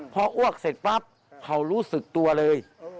พออ้วกเสร็จปั๊บเขารู้สึกตัวเลย